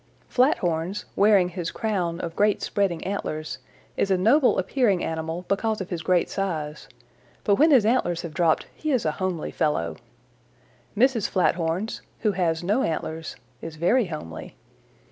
"Flathorns, wearing his crown of great spreading antlers, is a noble appearing animal because of his great size, but when his antlers have dropped he is a homely fellow. Mrs. Flathorns, who has no antlers, is very homely.